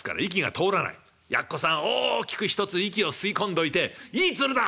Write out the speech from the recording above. やっこさん大きく一つ息を吸い込んどいて「いい鶴だ！」